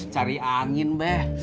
cari angin be